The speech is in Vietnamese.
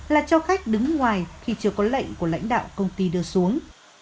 là cho khách đứng ngoài khi chưa có lệnh của lãnh đạo công ty đưa xuống